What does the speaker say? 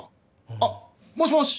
あっもしもし？